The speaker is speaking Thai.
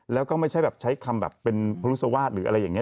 แล้วก็ไม่ใช่แบบใช้คำแบบเป็นพรุษวาสหรืออะไรอย่างนี้